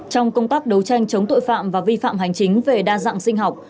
trong công tác đấu tranh chống tội phạm và vi phạm hành chính về đa dạng sinh học